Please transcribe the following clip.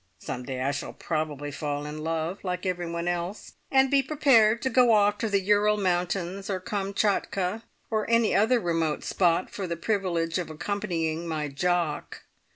Some day I shall probably fall in love, like everyone else, and be prepared to go off to the Ural Mountains or Kamtschatka, or any other remote spot, for the privilege of accompanying my Jock.